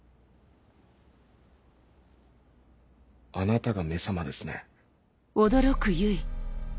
あなたが「め様」ですね？